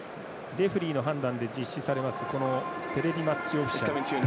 レフリーの判断で実施されるテレビマッチオフィシャル。